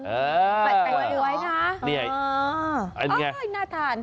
เออนี่ไงน่าทาน